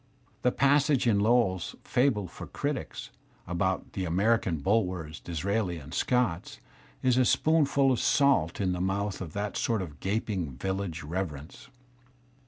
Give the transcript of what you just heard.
The passage in Lowell's "Fable for Critics" about "The American Bulwers, Disraelis and Scotts " is a spoonful of salt in the mouth of that sort of gaping viUage reverence.